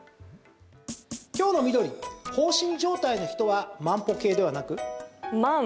今日の緑、放心状態の人は万歩計ではなく？